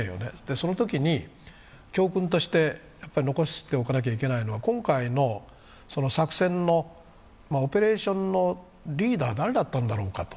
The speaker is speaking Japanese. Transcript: そのときに教訓として残しておかなければいけないのは、今回の作戦のオペレーションのリーダーは誰だったんだろうかと。